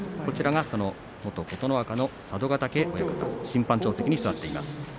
元琴ノ若佐渡ヶ嶽親方は審判長席に座っています。